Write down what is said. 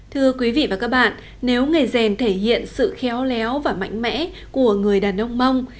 thưa quý vị và các bạn nếu nghề rèn thể hiện sự khéo léo và mạnh mẽ của người đàn ông mông